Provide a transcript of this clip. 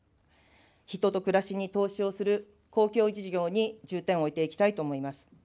人と暮らしに投資をする公共事業に重点を置いていきたいと思います。